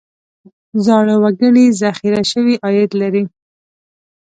زاړه وګړي ذخیره شوی عاید لري.